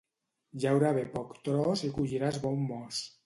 Llaura bé poc tros i colliràs bon mos.